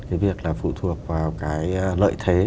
cái việc là phụ thuộc vào cái lợi thế